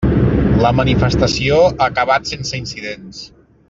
La manifestació ha acabat sense incidents.